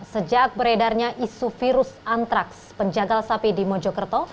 sejak beredarnya isu virus antraks penjagal sapi di mojokerto